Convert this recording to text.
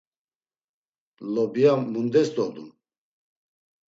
Lobya mundes dodum?